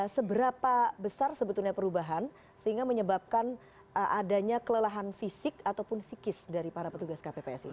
seberapa besar sebetulnya perubahan sehingga menyebabkan adanya kelelahan fisik ataupun psikis dari para petugas kpps ini